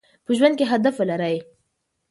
په ژوند کې هدف ولرئ.